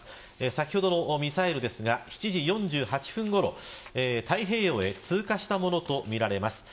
先ほどのミサイルは７時４８分ごろ太平洋へ通過したものとみられます。